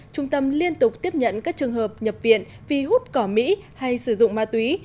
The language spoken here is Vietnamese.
trung tâm liên tục tiếp nhận các trường hợp nhập viện vì hút cỏ mỹ hay sử dụng ma túy